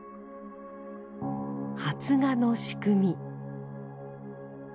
発芽の仕組み。